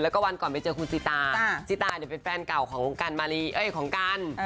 แล้วก็วันก่อนไปเจอคุณสิตาสิตาเป็นแฟนเก่าของกัน